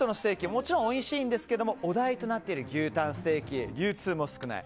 もちろんおいしいんですけどお題となっている牛たんステーキは流通も少ない。